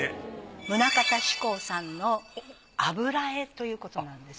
棟方志功さんの油絵ということなんです。